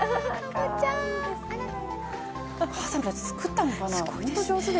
お母さんたち、作ったのかな。